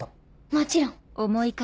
もちろん。